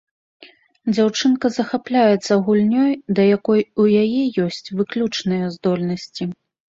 Дзяўчынка захапляецца гульнёй, да якой у яе ёсць выключныя здольнасці.